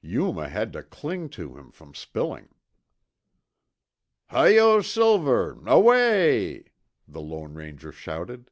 Yuma had to cling to keep from spilling. "Hi Yo Silver, Away y y y," the Lone Ranger shouted.